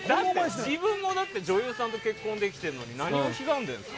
自分も女優さんと結婚できてるのに何をひがんでるんですか？